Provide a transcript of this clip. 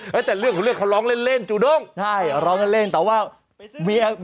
เพลงนี้เป็นของอาชายเมืองสิง